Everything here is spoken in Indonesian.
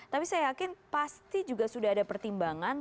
tapi saya yakin pasti juga sudah ada pertimbangan